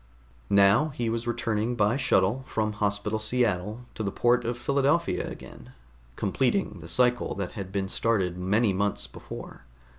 Now he was returning by shuttle from Hospital Seattle to the port of Philadelphia again, completing the cycle that had been started many months before.